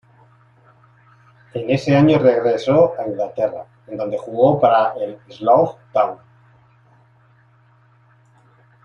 En ese año regresó a Inglaterra, en donde jugó para el Slough Town.